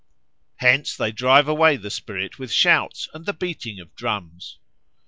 Hence they drive away the spirit with shouts and the beating of drums.